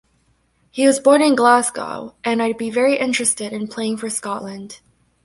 He was born in Glasgow and I'd be very interested in playing for Scotland.